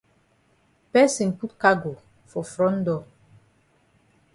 Person put cargo for front door.